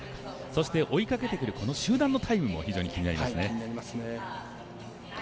そして追いかけてくるこの集団のタイムも非常に気になりますね。